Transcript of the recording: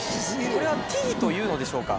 これはティーというのでしょうか。